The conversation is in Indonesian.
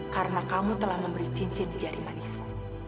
karena kamu telah memberi cincin di jari manisku